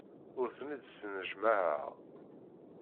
Ur ten-id-snejmaɛeɣ.